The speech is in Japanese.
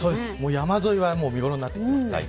山沿いは見頃になってきますね。